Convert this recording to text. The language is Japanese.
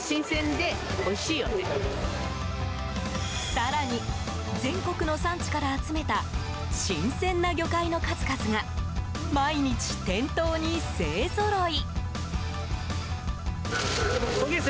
更に、全国の産地から集めた新鮮な魚介の数々が毎日、店頭に勢ぞろい。